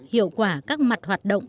hiệu quả các mặt hoạt động